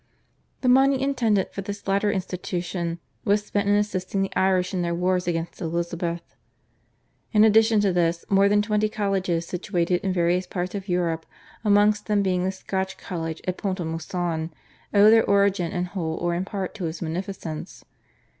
The money intended for this latter institution was spent in assisting the Irish in their wars against Elizabeth. In addition to this, more than twenty colleges situated in various parts of Europe, amongst them being the Scotch College at Pont a Mousson, owe their origin in whole or in part to his munificence.